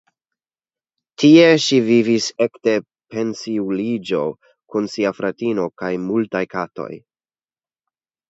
Tie ŝi vivis ekde pensiuliĝo kun sia fratino kaj multaj katoj.